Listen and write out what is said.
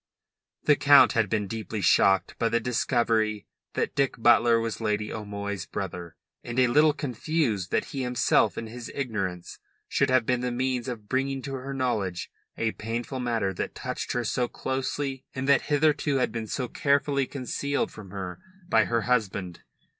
The Count had been deeply shocked by the discovery that Dick Butler was Lady O'Moy's brother, and a little confused that he himself in his ignorance should have been the means of bringing to her knowledge a painful matter that touched her so closely and that hitherto had been so carefully concealed from her by her husband.